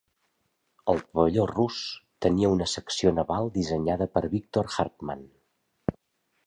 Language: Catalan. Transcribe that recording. El pavelló rus tenia una secció naval dissenyada per Viktor Hartmann.